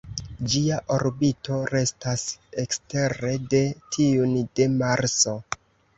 Ĝia orbito restas ekstere de tiun de Marso.